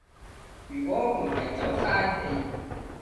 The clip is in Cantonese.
如果唔係就嘥氣